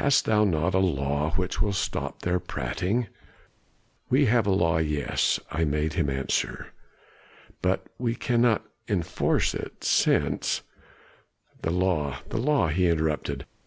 Hast thou not a law which will stop their prating?' "'We have a law yes,' I made him answer; 'but we cannot enforce it, since ' "'The law the law,' he interrupted.